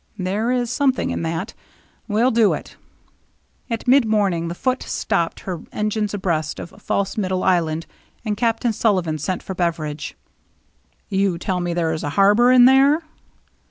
" There is something in that. We'll do it." At mid morning the Foote stopped her engines abreast of False Middle Island, and Captain Sullivan sent for Beveridge. " You tell me there is a harbor in there